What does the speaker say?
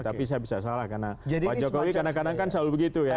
tapi saya bisa salah karena pak jokowi kadang kadang kan selalu begitu ya